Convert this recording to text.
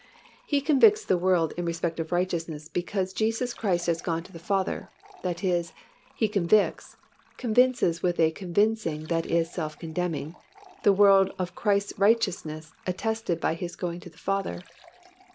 He convicts the world in respect of righteousness because Jesus Christ has gone to the Father, that is He convicts (convinces with a convincing that is self condemning) the world of Christ's righteousness attested by His going to the Father.